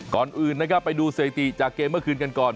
ก่อนอื่นนะครับไปดูสถิติจากเกมเมื่อคืนกันก่อน